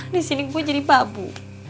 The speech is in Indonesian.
disini gue jadi babu